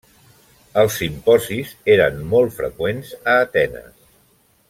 Els simposis eren molt freqüents a Atenes.